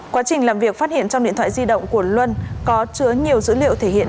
quá trình làm việc phát hiện trong điện thoại di động của luân có chứa nhiều dữ liệu thể hiện